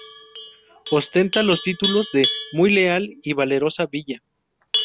Ostenta los títulos de "Muy Leal" y "Valerosa Villa".